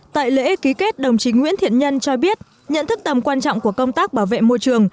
tại lễ ký kết đồng chí nguyễn thiện nhân cho biết nhận thức tầm quan trọng của công tác bảo vệ môi trường